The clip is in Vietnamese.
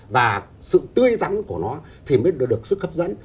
và sự tươi rắn của nó thì mới được sức hấp dẫn